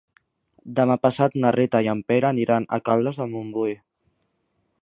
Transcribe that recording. Demà passat na Rita i en Pere aniran a Caldes de Montbui.